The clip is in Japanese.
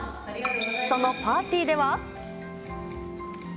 そのパーティーでは。